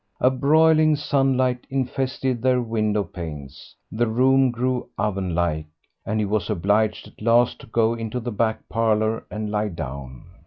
A broiling sunlight infested their window panes, the room grew oven like, and he was obliged at last to go into the back parlour and lie down.